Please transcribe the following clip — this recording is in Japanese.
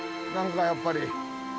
何かやっぱり。